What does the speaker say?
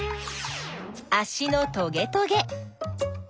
あしのトゲトゲ。